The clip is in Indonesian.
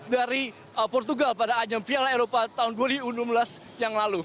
dari portugal pada ajang piala eropa tahun dua ribu enam belas yang lalu